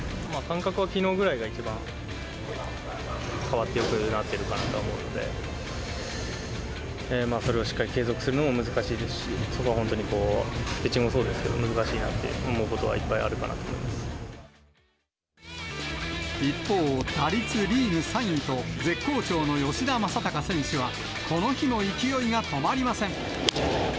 感覚はきのうぐらいが一番変わってよくなってるかなと思うので、それをしっかり継続するのも難しいですし、そこは本当にピッチングもそうですけど、難しいなって思うことはいっぱいあるかなと思一方、打率リーグ３位と絶好調の吉田正尚選手は、この日も勢いが止まりません。